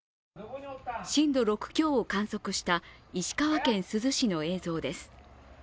震度６強を観測した石川県珠洲市の映像です。